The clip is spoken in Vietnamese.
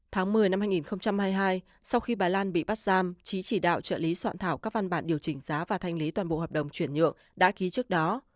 tháng một mươi năm hai nghìn hai mươi hai sau khi bà lan bị bắt giam trí chỉ đạo trợ lý soạn thảo các văn bản điều chỉnh giá và thanh lý toàn bộ hợp đồng chuyển nhượng đã ký trước đó